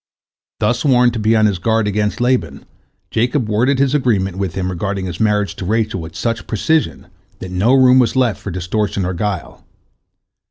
Thus warned to be on his guard against Laban, Jacob worded his agreement with him regarding his marriage to Rachel with such precision that no room was left for distortion or guile.